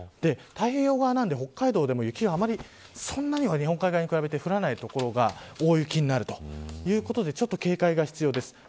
太平洋側なんで、北海道でも雪があまり、そんなには日本海側に比べて降らない所が大雪になるということでちょっと警戒が必要です。